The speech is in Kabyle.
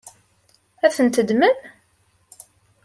Ad tent-teddmem?